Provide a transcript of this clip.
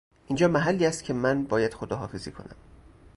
اینجا محلی است که من باید خداحافظی کنم.